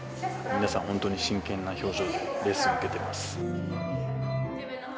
皆さん、本当に真剣な表情でレッスンを受けています。